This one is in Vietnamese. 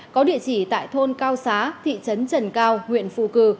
có địa chỉ tại thôn cao xá thị trấn trần cao huyện phù cử